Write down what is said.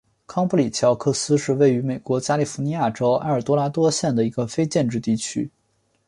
康布里奇奥克斯是位于美国加利福尼亚州埃尔多拉多县的一个非建制地区。